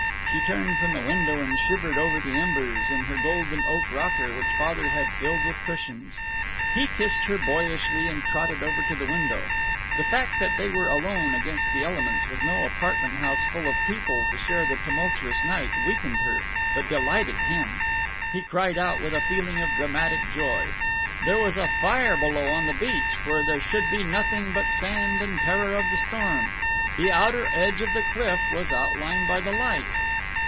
She turned from the window and shivered over the embers, in her golden oak rocker which Father had filled with cushions. He kissed her boyishly and trotted over to the window. The fact that they were alone against the elements, with no apartment house full of people to share the tumultuous night, weakened her, but delighted him. He cried out, with a feeling of dramatic joy. There was a fire below, on the beach, where there should be nothing but sand and the terror of the storm. The outer edge of the cliff was outlined by the light.